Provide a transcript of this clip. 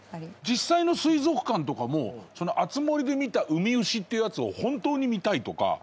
実際の水族館とかも『あつ森』で見たウミウシっていうやつを本当に見たいとか。